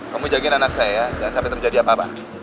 kamu jagain anak saya ya jangan sampai terjadi apa apa